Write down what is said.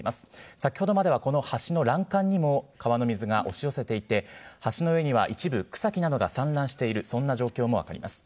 先ほどまではこの橋の欄干にも、川の水が押し寄せていて、橋の上には一部草木などが散乱している、そんな状況も分かります。